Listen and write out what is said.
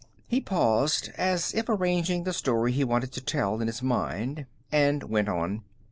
He paused, as if arranging the story he wanted to tell in his mind, and went on.